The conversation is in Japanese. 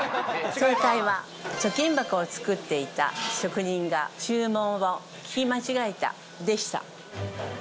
正解は貯金箱を作っていた職人が注文を聞き間違えたでした。